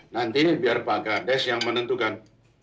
nanti biar pak gades yang menentukan